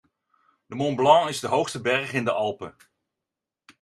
De Mont Blanc is de hoogste berg in de Alpen.